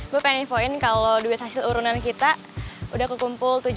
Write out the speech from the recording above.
gue pengen infoin kalau duit hasil urunan kita udah kekumpul tujuh dua ratus rupiah